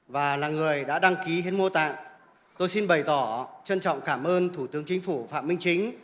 và là người đã đăng ký hiến mô tạng tôi xin bày tỏ trân trọng cảm ơn thủ tướng chính phủ phạm minh chính